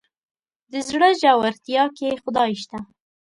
د زړه ژورتيا کې خدای شته.